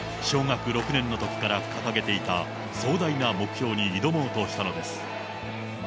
小学６年のときから掲げていた壮大な目標に挑もうとしたのです。